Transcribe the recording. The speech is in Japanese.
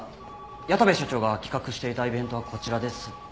矢田部社長が企画していたイベントはこちらです。